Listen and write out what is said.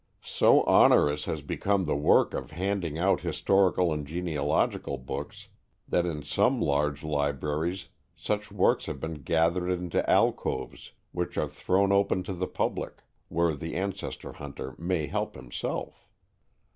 So onerous has become the work of handing out historical and genealogical books that in some large libraries such works have been gathered into alcoves which are thrown open to the public, where the ancestry hunter may help himself.